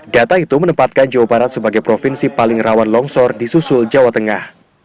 data itu menempatkan jawa barat sebagai provinsi paling rawan longsor di susul jawa tengah